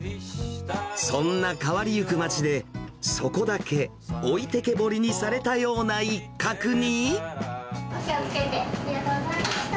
そんな変わりゆく街でそこだけ置いてけぼりにされたような一角に。